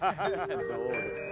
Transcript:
どうですか？